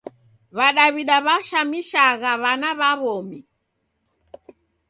W'adaw'ida w'ashamizagha w'ana w'a w'omi.